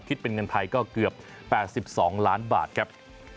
คิดเป็นเงินไทยก็เกือบ๘๒ล้านบาทครับ